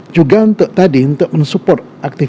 juga untuk tadi untuk mensupport aktivitas yang penting